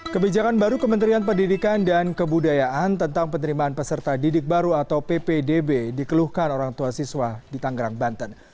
kebijakan baru kementerian pendidikan dan kebudayaan tentang penerimaan peserta didik baru atau ppdb dikeluhkan orang tua siswa di tanggerang banten